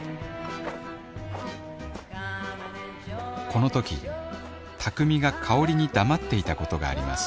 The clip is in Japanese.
このとき卓海が香に黙っていたことがあります